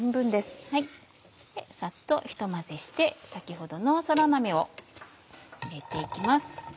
サッとひと混ぜして先ほどのそら豆を入れて行きます。